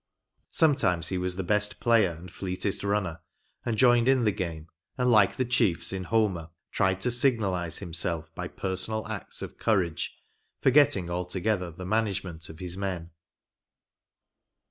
Sometimes he was the best player and fleetest runner, and joined in the game, and like the chiefs in Homer, tried to signalize himself by personal acts of courage, forget ing altogether the management of his men.